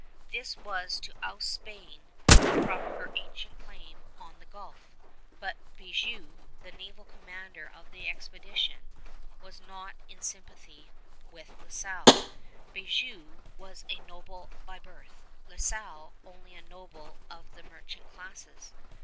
This was to oust Spain from her ancient claim on the gulf; but Beaujeu, the naval commander of the expedition, was not in sympathy with La Salle. Beaujeu was a noble by birth; La Salle, only a noble of the merchant classes.